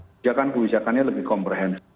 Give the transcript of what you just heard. kerja kan kebijakannya lebih komprehensif